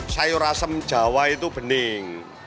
sayur asem jawa itu bening